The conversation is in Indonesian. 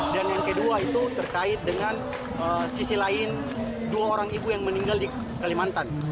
dan yang kedua itu terkait dengan sisi lain dua orang ibu yang meninggal di kalimantan